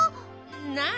なあ。